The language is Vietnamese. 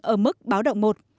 ở mức báo động một